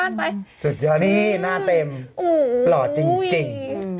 มีหน้าเต็มหลอจริง